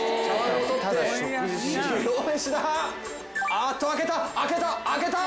あっと開けた開けた開けた。